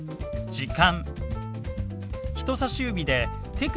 「時間」。